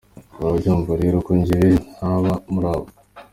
Urabyumva rero ko jyewe ntaba muri abo!